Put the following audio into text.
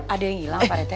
ada yang ngilaar pak retek